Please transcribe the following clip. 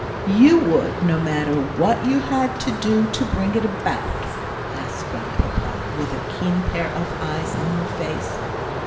"You would no matter what you had to do to bring it about?" asked Grandpapa, with a keen pair of eyes on her face.